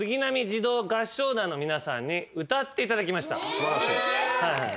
素晴らしいです。